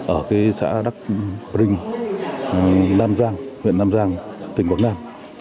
ở xã đắc rinh huyện nam giang tỉnh quảng nam